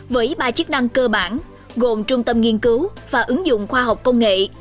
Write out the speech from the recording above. với ba chức năng cơ bản gồm trung tâm nghiên cứu và ứng dụng khoa học công nghệ